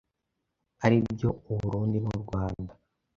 aribyo u Burundi n’u Rwanda.